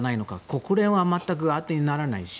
国連は全くあてにならないし。